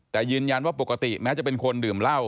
แต่ยืนยันว่าปกติแม้จะเป็นคนดื่มเหล้า